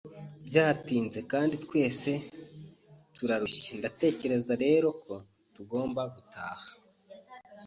Byatinze kandi twese turarushye, ndatekereza rero ko tugomba gutaha.